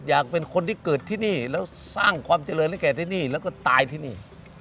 อยากเป็นคนที่เกิดที่นี่แล้วสร้างความเจริญให้แก่ที่นี่แล้วก็ตายที่นี่